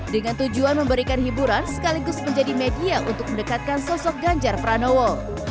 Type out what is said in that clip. dengan tujuan memberikan hiburan sekaligus menjadi media untuk mendekatkan sosok ganjar pranowo